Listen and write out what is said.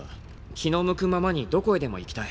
気の向くままにどこへでも行きたい。